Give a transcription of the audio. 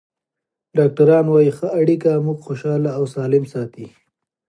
ډاکټران وايي ښه اړیکې موږ خوشحاله او سالم ساتي.